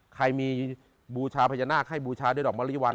ใครมีบูชาพญานาคให้บูชาด้วยดอกมะลิวัน